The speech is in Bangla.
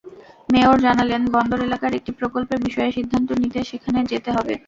মেয়র জানালেন, বন্দর এলাকার একটি প্রকল্পের বিষয়ে সিদ্ধান্ত নিতে সেখানে যেতে হবে।